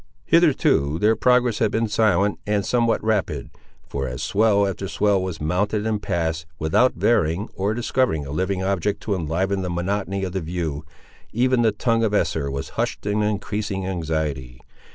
Hitherto their progress had been silent and somewhat rapid, for as swell after swell was mounted and passed, without varying, or discovering a living object to enliven the monotony of the view, even the tongue of Esther was hushed in increasing anxiety.